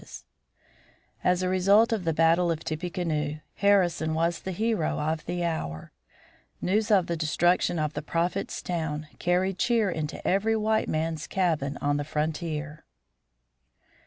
[Illustration: BATTLE OF TIPPECANOE] As a result of the battle of Tippecanoe, Harrison was the hero of the hour. News of the destruction of the Prophet's town carried cheer into every white man's cabin on the frontier. XI.